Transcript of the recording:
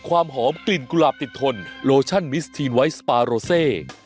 ไวท์สปาโรเซ